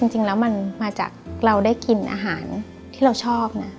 จริงแล้วมันมาจากเราได้กินอาหารที่เราชอบนะ